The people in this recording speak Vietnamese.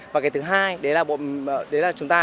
và cái thứ hai đấy là chúng ta